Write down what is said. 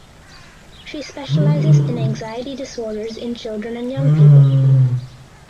She specialises in anxiety disorders in children and young people.